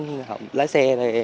học lái xe rồi